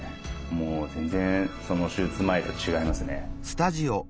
もう全然手術前と違いますね。